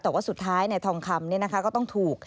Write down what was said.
แต่ว่าสุดท้ายทองคำก็ต้องถูก